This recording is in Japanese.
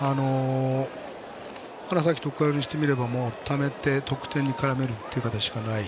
花咲徳栄にしてみればためて、得点に絡めるしかない。